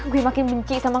gue makin benci sama